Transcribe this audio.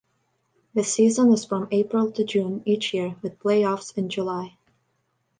The season is from April to June each year with playoffs in July.